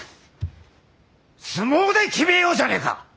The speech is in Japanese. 相撲で決めようじゃねえか！